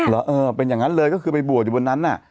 แล้วเออเป็นอย่างนั้นเลยคือไปบวชบนั้นน่ะ